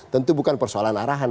tentu bukan persoalan arahan